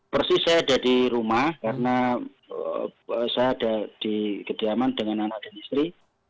persis saya ada di rumah karena saya ada di kediaman dengan anak dan istri